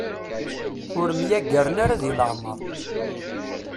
Ur myagaren ara di leɛmer.